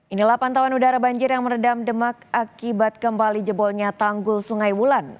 inilah pantauan udara banjir yang meredam demak akibat kembali jebolnya tanggul sungai wulan